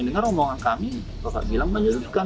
dengan omongan kami bapak bilang menyebutkan